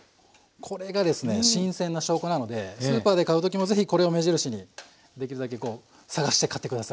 これがですね新鮮な証拠なのでスーパーで買う時も是非これを目印にできるだけこう探して買って下さい。